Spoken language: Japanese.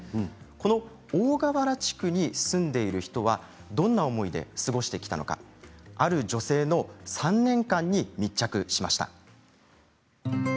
この大川原地区に住んでいる人はどんな思いで過ごしてきたのかある女性の３年間に密着しました。